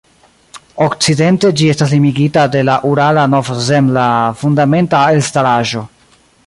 Okcidente ĝi estas limigita de la Urala-Novzemla fundamenta elstaraĵo.